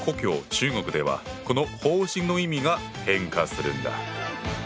中国ではこの「放心」の意味が変化するんだ。